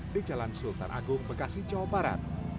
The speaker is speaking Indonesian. di jalan sultan agung bekasi jawa barat